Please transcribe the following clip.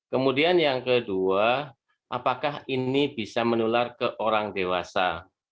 kemudian yang kedua apakah ini bisa menular ke orang dewasa